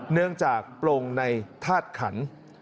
เนื่องจากปลงในธาตุขัน